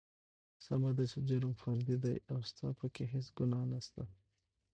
سمه ده چې جرم فردي دى او ستا پکې هېڅ ګنا نشته.